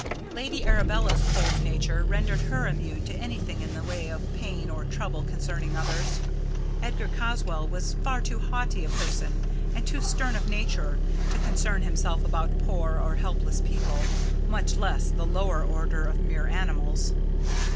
Lady Arabella's cold nature rendered her immune to anything in the way of pain or trouble concerning others. Edgar Caswall was far too haughty a person, and too stern of nature, to concern himself about poor or helpless people, much less the lower order of mere animals.